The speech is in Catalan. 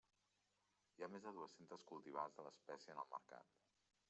Hi ha més de dues-centes cultivars de l'espècie en el mercat.